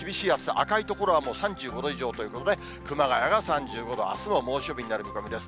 赤い所はもう３５度以上ということで、熊谷が３５度、あすも猛暑日になる見込みです。